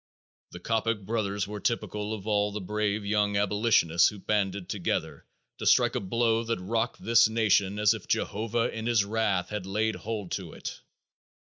The Coppock brothers were typical of all the brave young abolitionists who banded together to strike a blow that rocked this nation as if Jehovah in his wrath had laid hold on it.